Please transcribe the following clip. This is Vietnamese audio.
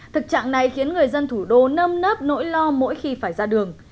thực trạng này khiến người dân thủ đô nâm nớp nỗi lo mỗi khi phải ra đường